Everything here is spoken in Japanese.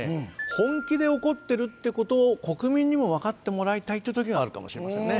本気で怒ってるってことを国民にも分かってもらいたいって時があるかもしれませんね